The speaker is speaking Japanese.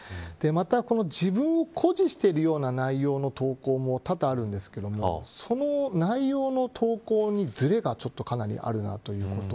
また、自分を誇示しているような内容の投稿も多々あるんですがその内容の投稿に、ずれがかなりあるなということ。